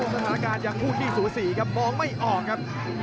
สถานการณ์ยังพูดที่สูสีครับมองไม่ออกครับ